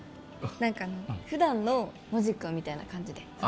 何かあの普段のノジ君みたいな感じでああ